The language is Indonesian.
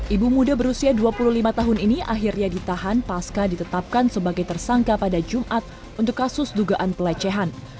ibu muda berusia dua puluh lima tahun ini akhirnya ditahan pasca ditetapkan sebagai tersangka pada jumat untuk kasus dugaan pelecehan